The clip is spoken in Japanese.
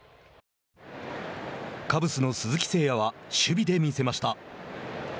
カブスの鈴木誠也は守備で魅せました。